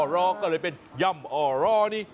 รอก็เลยเป็นย่ำอ่อรอนี่